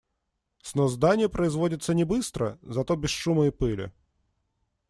Снос здания производится не быстро, зато без шума и пыли.